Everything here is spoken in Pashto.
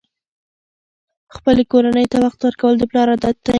خپلې کورنۍ ته وخت ورکول د پلار عادت دی.